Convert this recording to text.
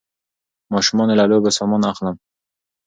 ماشومانو له د لوبو سامان اخلم